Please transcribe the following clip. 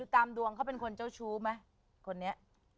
ตามดวงเขาเป็นคนเจ้าชู้ไหมคนนี้